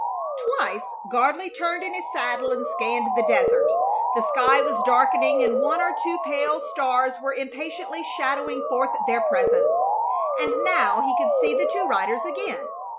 Twice Gardley turned in his saddle and scanned the desert. The sky was darkening, and one or two pale stars were impatiently shadowing forth their presence. And now he could see the two riders again.